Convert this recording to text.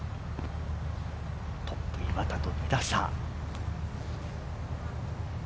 トップ岩田と２打差。